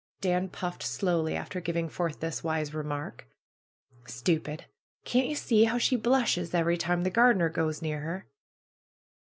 Dan puffed slowly, after giving forth this wise re mark. "Stupid! Can't ye see how she blushes every time the gardener goes near her!"